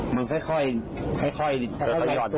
มันค่อยค่อยโดด